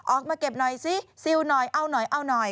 ออกมาเก็บหน่อยซิซิลหน่อยเอาหน่อยเอาหน่อย